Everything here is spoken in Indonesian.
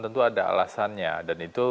tentu ada alasannya dan itu